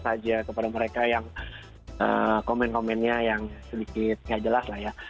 saya doakan saja kepada mereka yang komen komennya yang sedikit tidak jelas lah ya